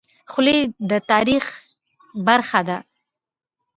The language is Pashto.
خولۍ د تاریخ برخه ده.